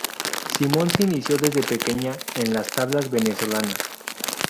Simon se inició desde pequeña en las tablas venezolanas.